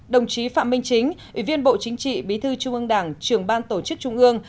đồng chí phạm minh chính ủy viên bộ chính trị bí thư trung ương đảng trưởng ban tổ chức trung ương